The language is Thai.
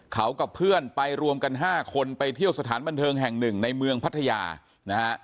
เขากับเพื่อนไปรวมกัน๕คนไปเที่ยวสถานบันเทิงแห่งหนึ่งในเมืองพัทยานะฮะ